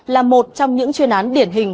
là một trong những chuyên án điển hình